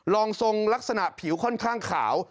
รองทรงลักษณะผิวค่อนข้างขาว